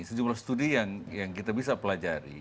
sejumlah studi yang kita bisa pelajari